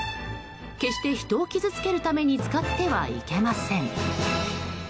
決して、人を傷つけるために使ってはいけません。